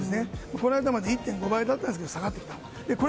この間まで１．５倍だったんですけど下がってきたんです。